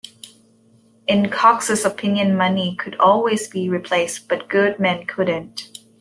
In Cox's opinion money could always be replaced, but good men couldn't.